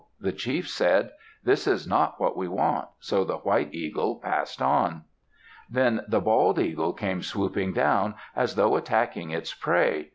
The chief said, "This is not what we want," so the white eagle passed on. Then the bald eagle came swooping down, as though attacking its prey.